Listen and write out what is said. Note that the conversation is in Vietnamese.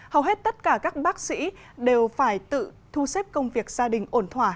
hầu hết tất cả các bác sĩ đều phải tự thu xếp công việc gia đình ổn thỏa